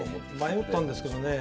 迷ったんですけどね